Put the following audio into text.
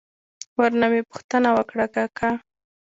ور نه مې پوښتنه وکړه: کاکا!